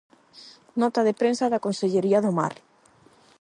Nota de prensa da consellería do mar.